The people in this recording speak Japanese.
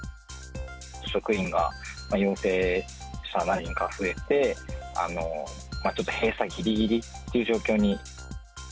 職員が、陽性者が何人か増えて、ちょっと閉鎖ぎりぎりという状況に。